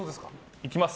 いきます。